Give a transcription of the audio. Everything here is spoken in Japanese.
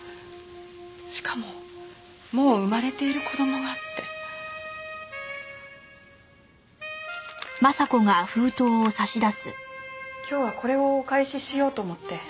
しかももう生まれている子供がって。今日はこれをお返ししようと思って。